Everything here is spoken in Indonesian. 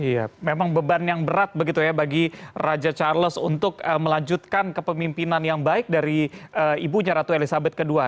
iya memang beban yang berat begitu ya bagi raja charles untuk melanjutkan kepemimpinan yang baik dari ibunya ratu elizabeth ii